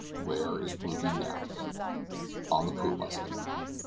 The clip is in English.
Where is Ruby, now?" "On the poop," I said.